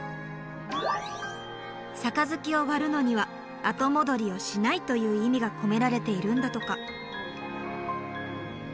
杯を割るのには「後戻りをしない」という意味が込められているんだとか。